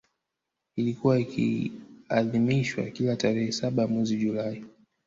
Ilikuwa ikiadhimishwa kila tarehe saba ya mwezi julai